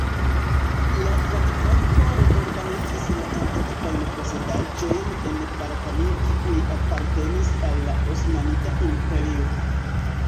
La traktato reorganizis la antikvajn posedaĵojn en Balkanio kiuj apartenis al la Osmanida Imperio.